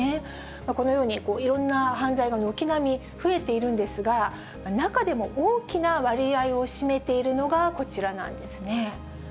このように、いろんな犯罪が軒並み増えているんですが、中でも大きな割合を占めているのがこちらなんですね。